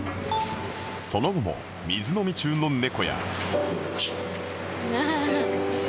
その後も水飲み中の猫や